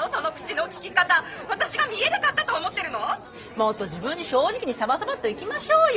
もっと自分に正直にサバサバっといきましょうよ。